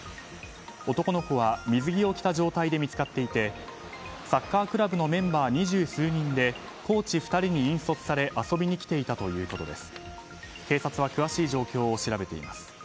男の子は水着を着た状態で見つかっていてサッカークラブのメンバー二十数人でコーチ２人で引率され遊びに来ていたということです。